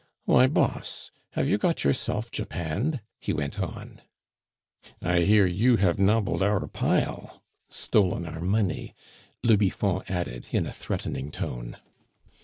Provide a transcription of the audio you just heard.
"Why, Boss, have you got yourself japanned?" he went on. "I hear you have nobbled our pile" (stolen our money), le Biffon added, in a threatening tone.